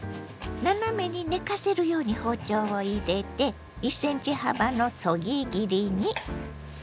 斜めに寝かせるように包丁を入れて１ｃｍ幅のそぎ切りに。